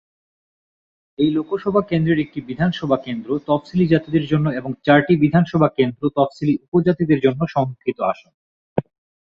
এই লোকসভা কেন্দ্রের একটি বিধানসভা কেন্দ্র তফসিলী জাতিদের জন্য এবং চারটি বিধানসভা কেন্দ্র তফসিলী উপজাতিদের জন্য সংরক্ষিত আসন।